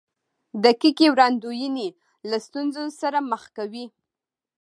دقیقې وړاندوینې له ستونزو سره مخ کوي.